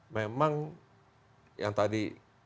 memang yang tadi